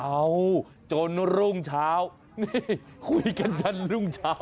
โอ้จนรุ่งเช้าคุยกันจัดรุ่งเช้า